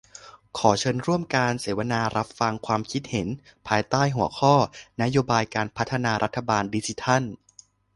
ขอเชิญร่วมการเสวนาและรับฟังความคิดเห็น ภายใต้หัวข้อ"นโยบายการพัฒนารัฐบาลดิจิทัล"